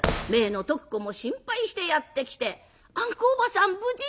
姪の徳子も心配してやって来て「あんこおばさん無事？